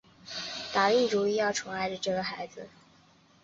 打定主意要宠爱着这个孩子